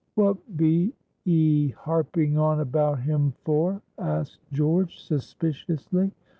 "What be 'ee harping on about him for?" asked George, suspiciously.